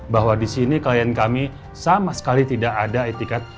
bahwa di sini klien kami sama sekali tidak ada etikat